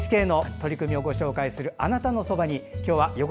ＮＨＫの取り組みをご紹介する「あなたのそばに」。